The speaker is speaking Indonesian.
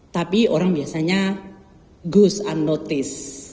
tapi orang biasanya goose unnoticed